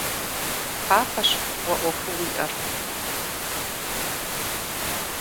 Папэщ уэ Ӏуэхуу уиӀэр.